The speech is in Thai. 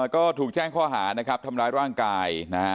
ก็ถูกแจ้งข้อหานะครับทำร้ายร่างกายนะฮะ